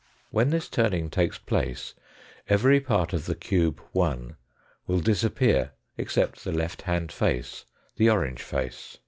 When this turning takes place every part of the cube 1 will disappear except the left hand face the orange face.